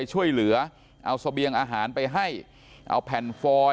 ขอบคุณทุกคน